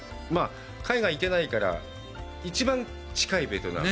海外に行けないから、一番近いベトナム。